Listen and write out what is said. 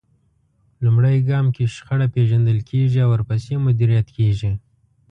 لومړی ګام کې شخړه پېژندل کېږي او ورپسې مديريت کېږي.